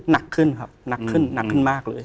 หนักขึ้นครับหนักขึ้นหนักขึ้นมากเลย